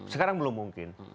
sekarang belum mungkin